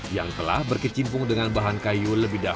yang telah berkecimpung dengan bahan kayu